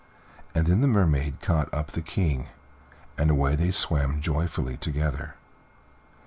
And then the Mermaid caught up the King, and away they swam joyfully together.